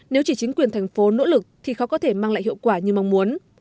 nếu chỉ chính quyền thành phố nỗ lực thì khó có thể mang lại hiệu quả như mong muốn